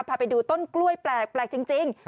พาไปดูต้นกล้วยแปลกจริง